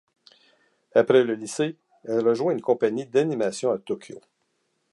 Après le lycée, elle rejoint une compagnie d'animation à Tōkyō.